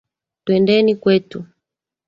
Twendeni kwetu.